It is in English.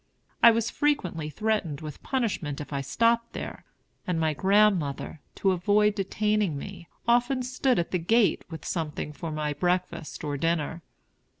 I was frequently threatened with punishment if I stopped there; and my grandmother, to avoid detaining me, often stood at the gate with something for my breakfast or dinner.